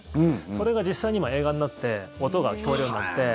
それが実際に映画になって音が聞こえるようになって。